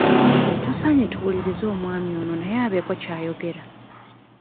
Tusaanye tuwulirize omwami ono naye abeeko ky'ayogera.